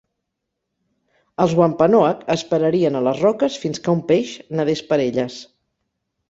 Els Wampanoag esperarien a les roques fins que un peix nadés per elles.